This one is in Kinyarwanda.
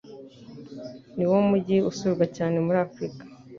niwo mujyi usurwa cyane muri Africa